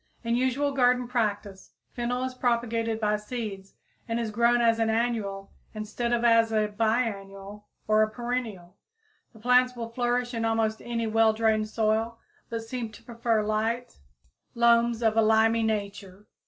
_ In usual garden practice fennel is propagated by seeds, and is grown as an annual instead of as a biennial or a perennial. The plants will flourish in almost any well drained soil, but seem to prefer light loams of a limy nature.